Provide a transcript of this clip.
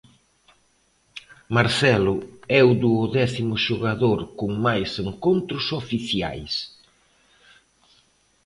Marcelo é o duodécimo xogador con máis encontros oficiais.